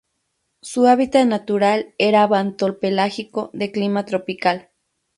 Su hábitat natural era bentopelágico de clima tropical.